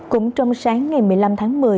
cũng trong sáng ngày một mươi năm tháng một mươi